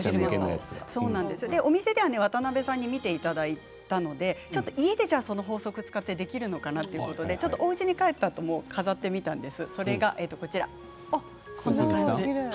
お店では、渡辺さんに見ていただいたので家で、その法則を使ってできるのかなということでおうちに帰ったあとも飾ってみたんです。